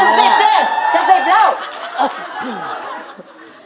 นี่ผมหมดแรงแล้วน่ะอ้าวนะ